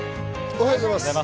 おはようございます。